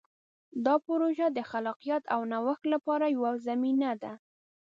دا پروژه د خلاقیت او نوښت لپاره یوه زمینه ده.